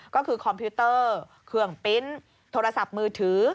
ก็คือคอมพิวเตอร์เครื่องปริ้นต์โทรศัพท์มือถือ